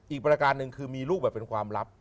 ประการหนึ่งคือมีลูกแบบเป็นความลับ